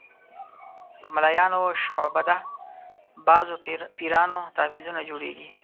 په ملایانو او شعبده بازو پیرانو تعویضونه جوړېږي.